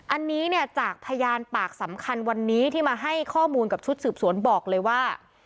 อันนี้เนี่ยจากพยานปากสำคัญวันนี้ที่มาให้ข้อมูลกับชุดสืบสวนบอกเลยว่า